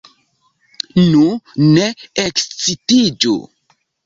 Nu, ne ekscitiĝu!